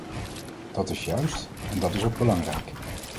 Dat is juist, en dat is ook belangrijk.